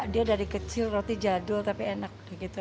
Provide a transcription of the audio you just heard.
dia dari kecil roti jadul tapi enak